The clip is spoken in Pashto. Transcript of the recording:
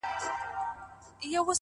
• په ځنگله کی به آزاد یې د خپل سر یې ,